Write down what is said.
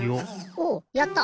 おおやった。